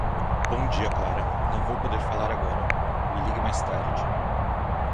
Bom dia Clara, não vou poder falar agora, me ligue mais tarde.